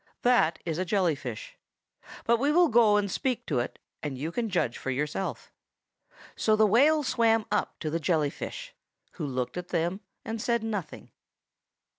"That is a jelly fish. But we will go and speak to it, and you can judge for yourself." So the whale swam up to the jelly fish, who looked at them, but said nothing.